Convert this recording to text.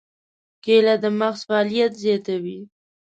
کېله د مغز فعالیت زیاتوي.